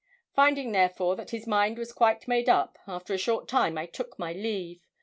Finding, therefore, that his mind was quite made up, after a short time I took my leave.